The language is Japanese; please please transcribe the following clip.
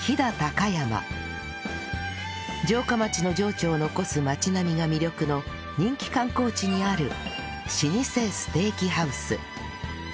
城下町の情緒を残す町並みが魅力の人気観光地にある老舗ステーキハウス